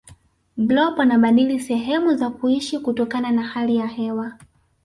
blob anabadili sehemu za kuishi kutokana na hali ya hewa